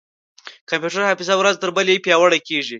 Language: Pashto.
د کمپیوټر حافظه ورځ تر بلې پیاوړې کېږي.